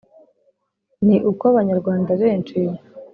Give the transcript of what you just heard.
ni uko abanyarwanda benshi